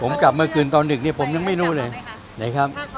ผมกลับเมื่อคืนตอนดึกเนี่ยผมยังไม่รู้เลยนะครับ